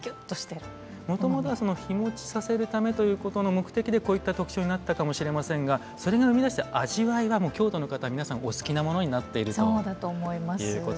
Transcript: もともとは日もちさせるためということの目的でこういった特徴になったかもしれませんがそれが生み出した味わいは京都の方皆さんお好きなものになっているということなんですね。